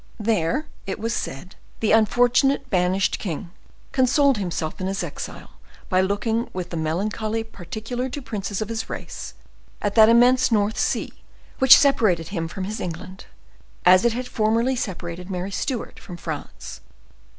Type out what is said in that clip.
There, it was said, the unfortunate banished king consoled himself in his exile, by looking, with the melancholy peculiar to the princes of his race, at that immense North Sea, which separated him from his England, as it had formerly separated Mary Stuart from France.